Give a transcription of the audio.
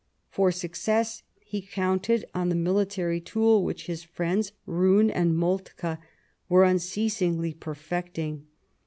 For success he counted on the military tool which his friends Roon and Moltke were unceasingly perfecting.